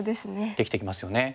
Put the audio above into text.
できてきますよね。